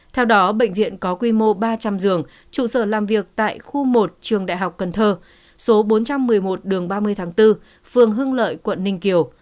theo đó bệnh viện có quy mô ba trăm linh giường trụ sở làm việc tại khu một trường đại học cần thơ số bốn trăm một mươi một đường ba mươi tháng bốn phường hưng lợi quận ninh kiều